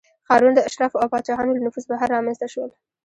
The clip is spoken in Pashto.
ښارونه د اشرافو او پاچاهانو له نفوذ بهر رامنځته شول